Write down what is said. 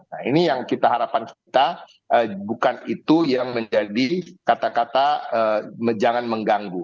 nah ini yang kita harapan kita bukan itu yang menjadi kata kata jangan mengganggu